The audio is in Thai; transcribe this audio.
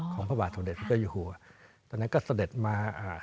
พระบาทสมเด็จพระเจ้าอยู่หัวตอนนั้นก็เสด็จมาอ่า